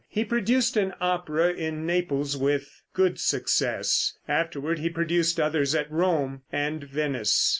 He produced an opera in Naples with good success. Afterward he produced others at Rome and Venice.